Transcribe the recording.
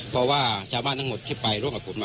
เพราะว่าชาวบ้านทั้งหมดที่ไปร่วมกับผม